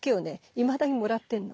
いまだにもらってんの。